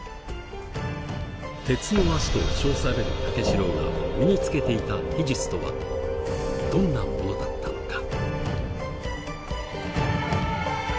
「鉄の足」と称される武四郎が身に付けていた秘術とはどんなものだったのか。